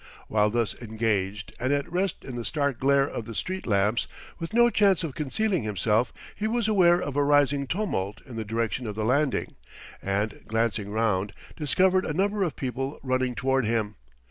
While thus engaged, and at rest in the stark glare of the street lamps, with no chance of concealing himself, he was aware of a rising tumult in the direction of the landing, and glancing round, discovered a number of people running toward him.